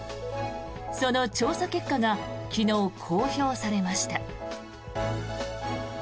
その調査結果が昨日、公表されました。